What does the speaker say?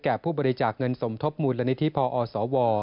ผู้บริจาคเงินสมทบมูลนิธิพอสว